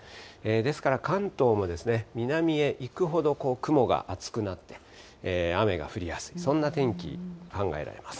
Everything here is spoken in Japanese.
ですから関東も、南へ行くほど雲が厚くなって、雨が降りやすい、そんな天気、考えられます。